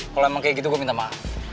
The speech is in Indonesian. kalau emang kayak gitu gue minta maaf